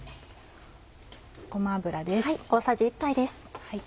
ごま油です。